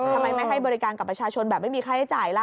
ทำไมไม่ให้บริการกับประชาชนแบบไม่มีค่าใช้จ่ายล่ะ